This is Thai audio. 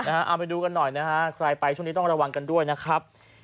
เอาไปดูกันหน่อยนะฮะใครไปช่วงนี้ต้องระวังกันด้วยนะครับ